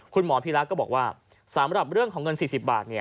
คุณหมอพีรักษ์ก็บอกว่าสำหรับเรื่องของเงิน๔๐บาท